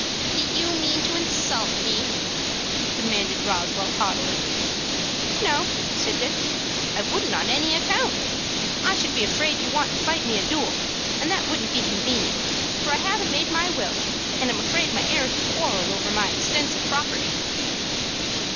"Do you mean to insult me?" demanded Roswell, haughtily. "No," said Dick. "I wouldn't on any account. I should be afraid you'd want me to fight a duel, and that wouldn't be convenient, for I haven't made my will, and I'm afraid my heirs would quarrel over my extensive property."